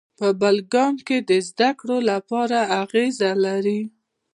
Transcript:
په بل ګام کې د زده کړو لپاره انګېزه لري.